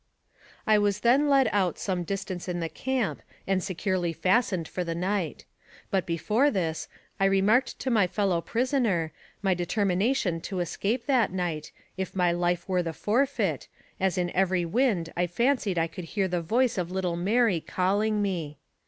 I was then led out some distance in the camp, and securely fastened for the night. But before this, I remarked, to my fellow prisoner, my determination to escape that night, if my life were the forfeit, as in every wind I fancied I could hear the voice of little Mary calling me.